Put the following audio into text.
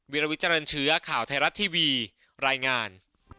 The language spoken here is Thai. วิลวิเจริญเชื้อข่าวไทยรัฐทีวีรายงาน